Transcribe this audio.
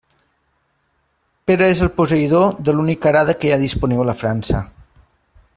Pere és el posseïdor de l'única arada que hi ha disponible a França.